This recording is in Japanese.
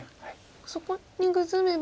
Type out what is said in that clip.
そこにグズめば。